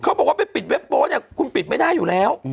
เขาบอกว่าไปปิดเว็บโป๊เนี่ยคุณปิดไม่ได้อยู่แล้ว